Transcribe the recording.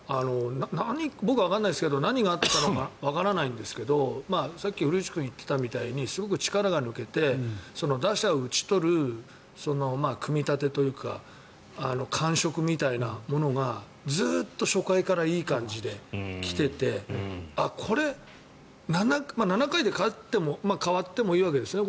だから、僕は何があったかわからないですけどさっき古内君が言っていたみたいにすごく力が抜けて打者を打ち取る組み立てというか感触みたいなものがずっと初回からいい感じで来ていてこれ、７回で代わってもいいわけですよね